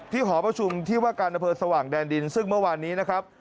หอประชุมที่ว่าการอำเภอสว่างแดนดินซึ่งเมื่อวานนี้นะครับ